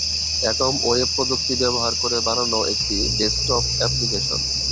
Atom web প্রযুক্তি ব্যবহার করে বানানো একটি ডেস্কটপ অ্যাপলিকেশন।